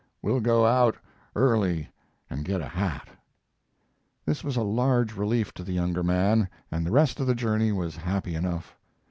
We'll go out early and get a hat." This was a large relief to the younger man, and the rest of the journey was happy enough.